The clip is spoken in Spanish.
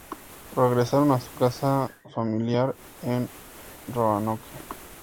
Regresaron a su casa familiar en Roanoke.